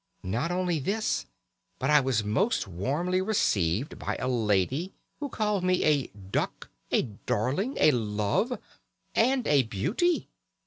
Not only this, but I was most warmly received by a lady, who called me a duck, a darling, a love, and a beauty.